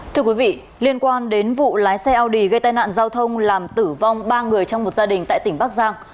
thưa quý vị liên quan đến vụ lái xe eo đề gây tai nạn giao thông làm tử vong ba người trong một gia đình tại tỉnh bắc giang